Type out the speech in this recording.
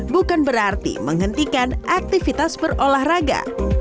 bukan berarti menghentikan aktivitas berolahraga